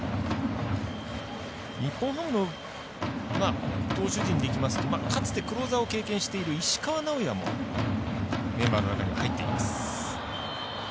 日本ハムの投手陣でいきますとかつてクローザーを経験している石川直也もメンバーの中に入っています。